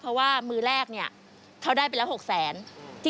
เพราะว่ามือแรกเขาได้ไปแล้ว๖๐๐๐๐๐บาท